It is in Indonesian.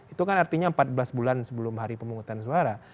itu kan artinya empat belas bulan sebelum hari pemungutan suara